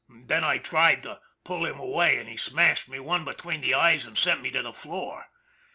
Then I tried to pull him away and he smashed me one be tween the eyes and sent me to the floor.